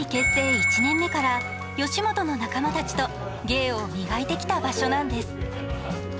１年目から吉本の仲間たちと芸を磨いてきた場所なんです。